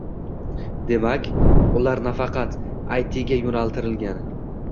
Demak, ular nafaqat AyTiga yoʻnaltirilgan